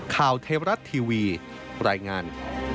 ข่าวเทวรัฐทีวีรายงาน